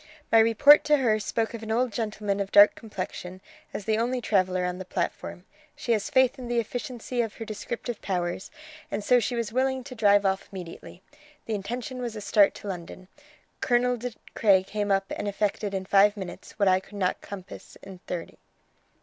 My report to her spoke of an old gentleman of dark complexion, as the only traveller on the platform. She has faith in the efficiency of her descriptive powers, and so she was willing to drive off immediately. The intention was a start to London. Colonel De Craye came up and effected in five minutes what I could not compass in thirty."